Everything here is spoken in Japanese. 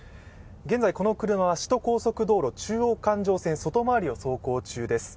現在、この車は首都高速道路中央環状線外回りを走行中です。